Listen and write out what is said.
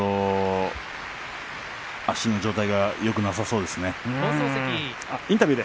足の状態がよくなさそうですね。